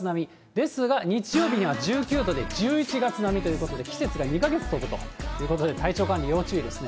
ですが日曜日には１９度で１１月並みということで、季節が２か月飛ぶということで、体調管理要注意ですね。